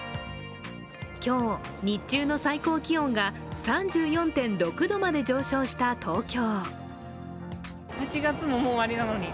今日、日中の最高気温が３４．６度まで上昇した東京。